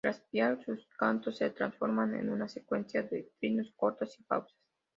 Tras piar sus cantos se transforman en una secuencia de trinos cortos y pausas.